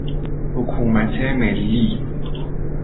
حکومت ملی